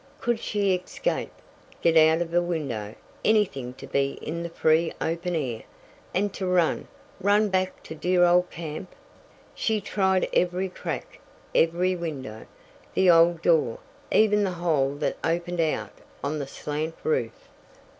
Could she escape; get out of a window anything to be in the free open air, and to run run back to dear old camp? She tried every crack, every window, the old door, even the hole that opened out on the slant roof.